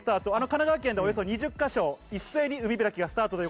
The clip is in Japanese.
神奈川県でおよそ２０か所、一斉に海開きスタートです。